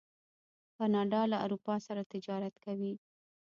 کاناډا له اروپا سره تجارت کوي.